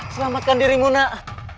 selamatkan dirimu nak